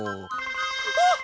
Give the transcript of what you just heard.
あっ！